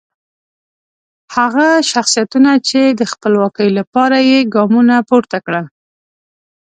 هغه شخصیتونه چې د خپلواکۍ لپاره یې ګامونه پورته کړل.